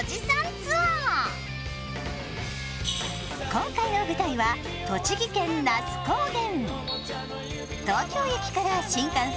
今回の舞台は、栃木県那須高原。